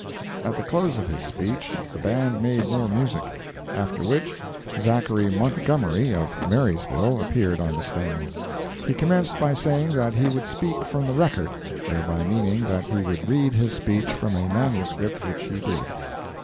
At the close of his speech the band made more music. After which, Zach. Montgomery, of Marysville, appeared on the stand. He commenced by saying that he would speak from the record, (thereby meaning that he would read his speech from a manuscript, which he did.)